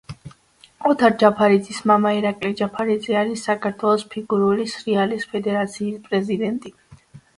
ოთარ ჯაფარიძის მამა ირაკლი ჯაფარიძე არის საქართველოს ფიგურული სრიალის ფედერაციის პრეზიდენტი.